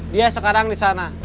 dia sekarang di sana